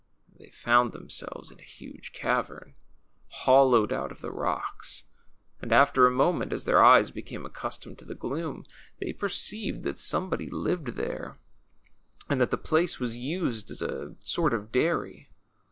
They found themselves in a huge cavern, hollowed out of the rocks ; and after a moment, as their eyes became accustomed to the gloom, they per ceived that somebody lived there, and that the place was used as a sort of dairy.